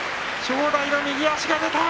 正代の右足が出た。